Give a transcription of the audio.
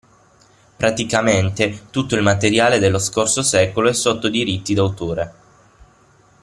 Praticamente tutto il materiale dello scorso secolo è sotto diritto d'autore.